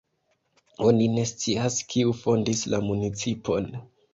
Oni ne scias kiu fondis la municipon.